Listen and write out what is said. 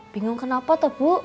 bingung kenapa tuh bu